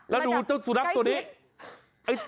แล้วดูเจ้าสุรรักษณ์ตัวนี้